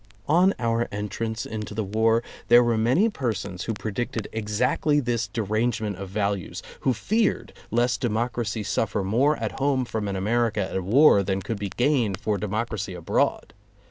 On our entrance into the war, there were many persons who predicted exactly this derangement of values, who feared lest democracy suffer more at home from an America at war than could be gained for democracy abroad.